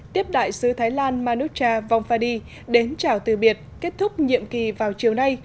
tiếp đại sứ thái lan manucha vongphadi đến chảo từ biệt kết thúc nhiệm kỳ vào chiều nay